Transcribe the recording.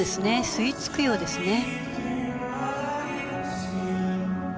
吸い付くようですね。